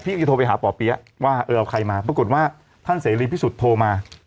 จะโทรไปหาป่อเปี๊ยะว่าเออเอาใครมาปรากฏว่าท่านเสรีพิสุทธิ์โทรมา